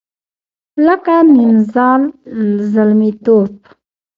لکه نیمزال زلمیتوب